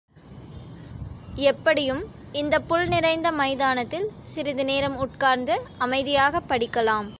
எப்படியும் இந்தப் புல் நிறைந்த மைதானத்தில் சிறிது நேரம் உட்கார்ந்து அமைதியாகப் படிக்கலாம்.